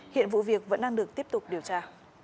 hiện vụ việc vẫn đang được tiếp tục điều tra